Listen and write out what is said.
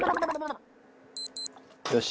よし！